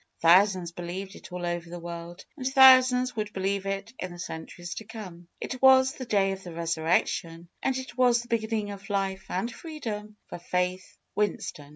Thousands believed it all over the world. And thou sands would believe it in the centuries to come. It was the day of the Resurrection. And it was the beginning of life and freedom for Faith Winston.